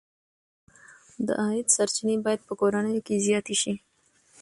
د عاید سرچینې باید په کورنیو کې زیاتې شي.